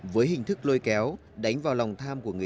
với hình thức lôi kéo đánh vào lòng tham của người